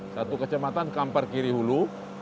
satu kecamatan kampar kiri hulu